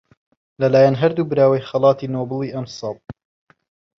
لەلایەن هەردوو براوەی خەڵاتی نۆبڵی ئەمساڵ